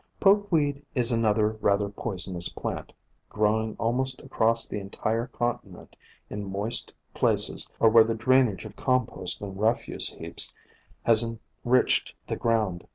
Pokeweed is another rather poisonous plant, growing almost across the entire continent in moist places or where the drainage of compost and refuse heaps has enriched the ground.